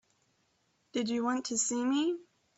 Did you want to see me?